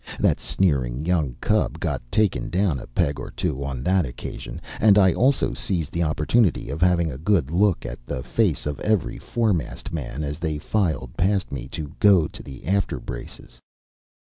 That sneering young cub got taken down a peg or two on that occasion, and I also seized the opportunity of having a good look at the face of every foremast man as they filed past me to go to the after braces.